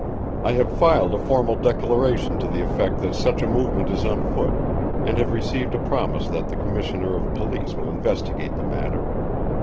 I have filed a formal declaration to the effect that such a movement is on foot, and have received a promise that the commissioner of police will investigate the matter.